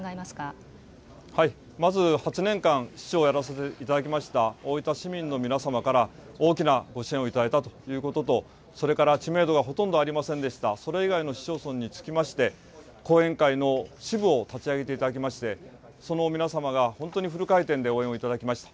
まず８年間、市長をやらせていただきました大分市民の皆様から大きなご支援を頂いたということと、それから知名度がほとんどありませんでした、それ以外の市町村につきまして、後援会の支部を立ち上げていただきまして、その皆様が本当にフル回転で応援をいただきました。